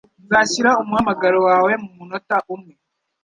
Nzashyira umuhamagaro wawe mumunota umwe.